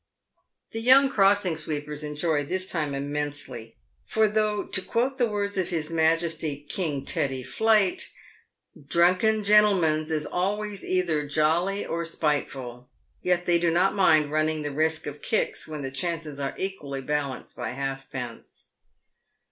The young crossing sweepers enjoy this time immensely, for though, to quote the words of his Majesty King Teddy Flight, "drunken gentlemens is always either jolly or spiteful," yet they do not mind running the risk of kicks when the chances are equally balanced by halfpence.